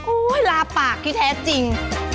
ลาปากที่แท้จริง